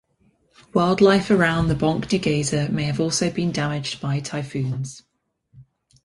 Wildlife around the Banc du Geyser may also have been damaged by typhoons.